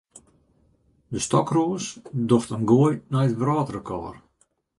De stokroas docht in goai nei it wrâldrekôr.